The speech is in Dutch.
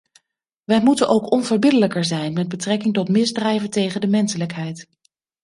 Wij moeten ook onverbiddelijker zijn met betrekking tot misdrijven tegen de menselijkheid.